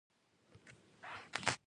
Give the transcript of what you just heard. نور منډیي ګان ولټول شول.